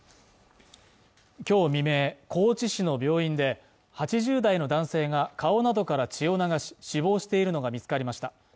きょう未明高知市の病院で８０代の男性が顔などから血を流し死亡しているのが見つかりました